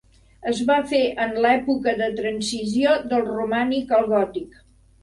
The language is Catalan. Es va fer en l'època de transició del romànic al gòtic.